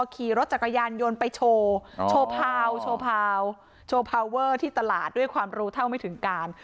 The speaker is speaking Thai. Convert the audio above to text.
ขี่รถจักรยานยนต์ไปโชว์โชว์พาวที่ตลาดด้วยความรู้เท่าไม่ถึงการ